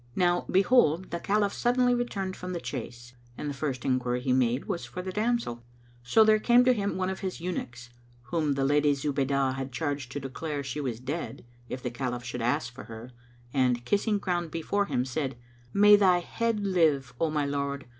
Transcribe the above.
Now, behold, the Caliph suddenly returned from the chase, and the first enquiry he made was for the damsel. So there came to him one of his eunuchs, whom the Lady Zubaydah had charged to declare she was dead, if the Caliph should ask for her and, kissing ground before him, said, "May thy head live, O my lord!